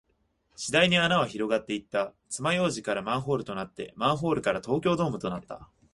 次第に穴は広がっていった。爪楊枝からマンホールとなって、マンホールから東京ドームとなった。